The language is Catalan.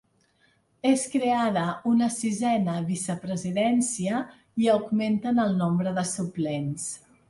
És creada una sisena vicepresidència i augmenten el nombre de suplents.